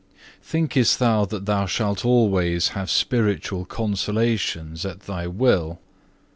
3. "Thinkest thou that thou shalt always have spiritual consolations at thy will?